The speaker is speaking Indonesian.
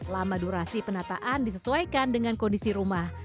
lama durasi penataan disesuaikan dengan kondisi rumah